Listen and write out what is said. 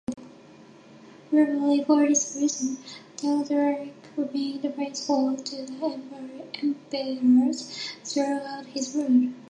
Probably for this reason, Theodoric remained faithful to the emperors throughout his rule.